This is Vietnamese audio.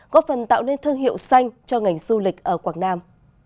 góp phần tạo nên thương hiệu xanh cho ngành du lịch ở quảng nam